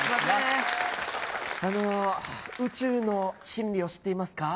あの宇宙の真理を知っていますか？